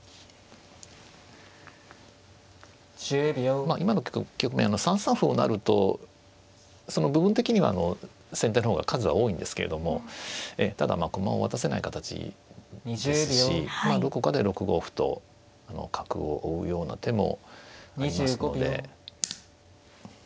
まあ今の局面３三歩を成ると部分的には先手の方が数は多いんですけれどもただ駒を渡せない形ですしどこかで６五歩と角を追うような手もありますので。